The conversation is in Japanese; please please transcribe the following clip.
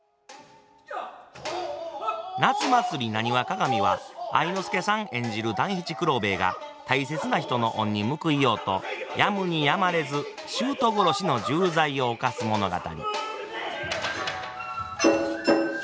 「夏祭浪花鑑」は愛之助さん演じる団七九郎兵衛が大切な人の恩に報いようとやむにやまれず舅殺しの重罪を犯す物語。